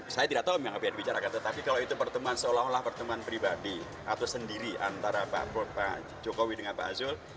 saya tidak tahu memang apa yang dibicarakan tetapi kalau itu pertemuan seolah olah pertemuan pribadi atau sendiri antara pak jokowi dengan pak zul